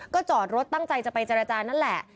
ก็จอดรถตั้งใจจะไปเจรจานั่นแหละ